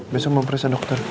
besok mau perisa dokter